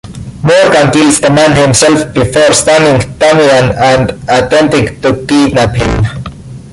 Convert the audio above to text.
Morgan kills the man himself before stunning Damian and attempting to kidnap him.